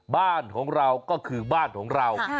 บ้านของเราก็คือบ้านของเรา